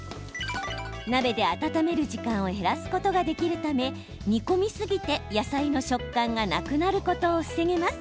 鍋で温める時間を減らすことができるため煮込みすぎて野菜の食感がなくなることを防げます。